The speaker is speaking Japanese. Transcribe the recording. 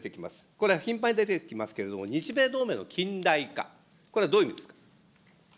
これは頻繁に出てきますけれども、日米同盟の近代化、これはどういう意味ですか。